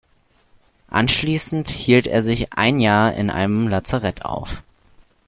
Anschließend hielt er sich ein Jahr in einem Lazarett auf.